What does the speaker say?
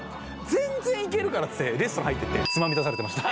全然いけるからっつってレストラン入ってってつまみ出されてました。